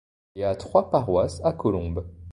Il y a trois paroisses à Colombes.